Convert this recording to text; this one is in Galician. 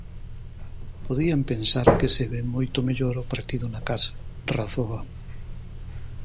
"Podían pensar que se ve moito mellor o partido na casa", razoa.